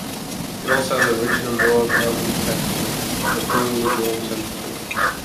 It also has a richer, more velvety texture and a cooler, lukewarm temperature.